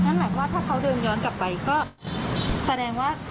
หมายความว่าถ้าเขาเดินย้อนกลับไปก็แสดงว่า